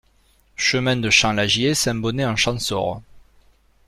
Chemin de Champ Lagier, Saint-Bonnet-en-Champsaur